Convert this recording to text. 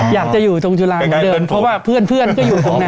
อยากจะอยู่ตรงจุฬาเหมือนเดิมเพราะว่าเพื่อนก็อยู่ตรงนั้น